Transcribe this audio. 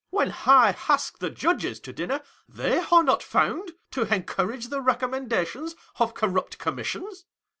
" When I ask the judges to dinner, they are not found to encourage the recommendations of corrupt Commissions.